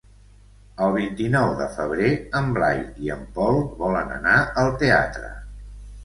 El vint-i-nou de febrer en Blai i en Pol volen anar al teatre.